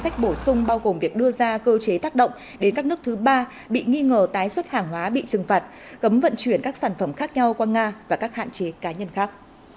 cùng việc đưa ra cơ chế tác động đến các nước thứ ba bị nghi ngờ tái xuất hàng hóa bị trừng phạt cấm vận chuyển các sản phẩm khác nhau qua nga và các hạn chế cá nhân khác